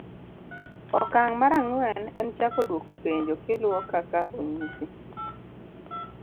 oka'ng mar ang'wen en chako dwoko penjo kiluo kaka onyisi.